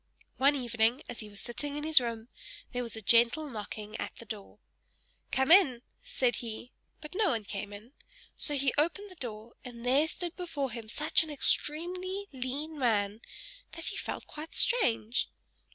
One evening, as he was sitting in his room, there was a gentle knocking at the door. "Come in!" said he; but no one came in; so he opened the door, and there stood before him such an extremely lean man, that he felt quite strange.